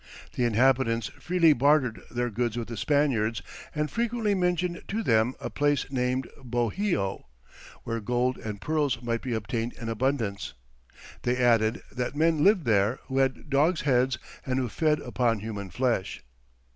The inhabitants freely bartered their goods with the Spaniards, and frequently mentioned to them a place named Bohio, where gold and pearls might be obtained in abundance. They added that men lived there who had dogs' heads, and who fed upon human flesh.